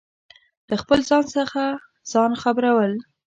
له خپل ځان څخه ځان خبرو ل